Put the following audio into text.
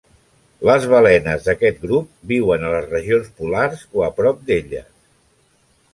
Les balenes d'aquest grup viuen a les regions polars o a prop d'elles.